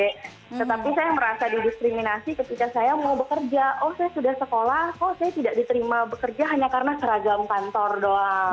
tetapi saya merasa didiskriminasi ketika saya mau bekerja oh saya sudah sekolah kok saya tidak diterima bekerja hanya karena seragam kantor doang